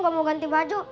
gak mau ganti baju